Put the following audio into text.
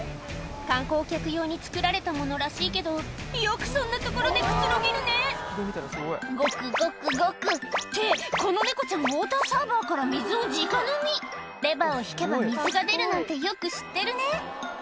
観光客用に作られたものらしいけどよくそんなところでくつろげるね「ゴクゴクゴク」ってこの猫ちゃんウオーターサーバーから水をじか飲みレバーを引けば水が出るなんてよく知ってるね